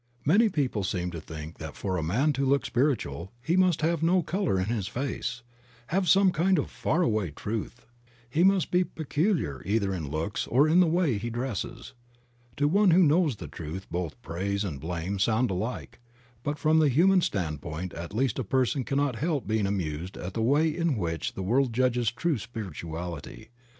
Many people seem to think that for a man to look spiritual he must have no color in his face, have some kind of far away truth; he must be peculiar either in looks, or in the way he dresses. To one who knows the truth, both praise and blame sound alike, but from the human standpoint at least a person cannot help being amused at the way in which the world judges true spirituality.